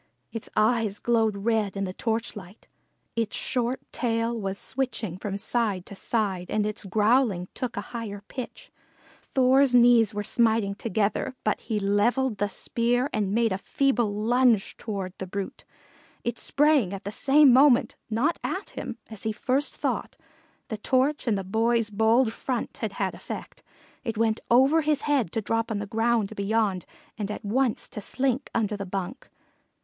Its eyes glowed red in the torchlight. Its short tail was switching from side to side and its growling took a higher pitch. Thor's knees were smiting together, but he levelled the spear and made a feeble lunge toward the brute. It sprang at the same moment, not at him, as he first thought the torch and the boy's bold front had had effect it went over his head to drop on the ground beyond and at once to slink under the bunk.